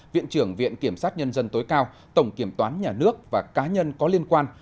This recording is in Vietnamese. viện trưởng viện kiểm sát nhân dân tối cao tổng kiểm toán nhà nước và cá nhân có liên quan